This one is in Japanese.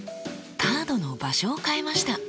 カードの場所を変えました。